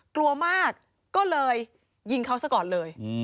กลัวมากก็เลยยิงเขาซะก่อนเลย